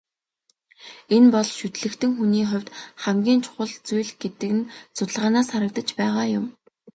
Энэ бол шүтлэгтэн хүний хувьд хамгийн чухал зүйл гэдэг нь судалгаанаас харагдаж байгаа юм.